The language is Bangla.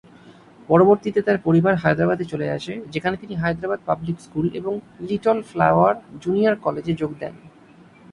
পরবর্তীতে তার পরিবার হায়দ্রাবাদে চলে আসে, যেখানে তিনি হায়দ্রাবাদ পাবলিক স্কুল এবং লিটল ফ্লাওয়ার জুনিয়র কলেজে যোগ দেন।